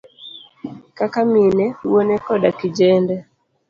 kaka mine, wuone koda kijende.